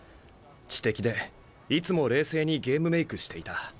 知的でいつも冷静にゲームメークしていた。